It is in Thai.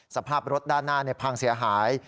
สภาพรถด้านหน้าพังเสียหาย